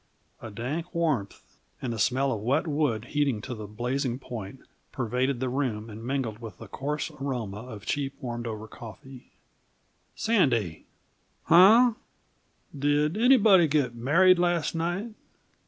A dank warmth and the smell of wet wood heating to the blazing point pervaded the room and mingled with the coarse aroma of cheap, warmed over coffee. "Sandy!" "Hunh?" "Did anybody get married last night?"